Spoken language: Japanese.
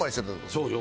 そうよ。